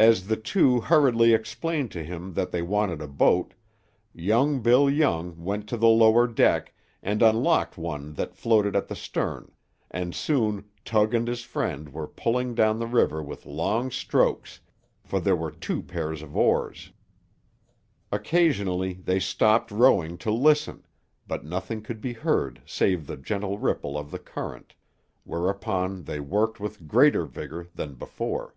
As the two hurriedly explained to him that they wanted a boat, Young Bill Young went to the lower deck, and unlocked one that floated at the stern, and soon Tug and his friend were pulling down the river with long strokes, for there were two pairs of oars. Occasionally they stopped rowing to listen, but nothing could be heard save the gentle ripple of the current; whereupon they worked with greater vigor than before.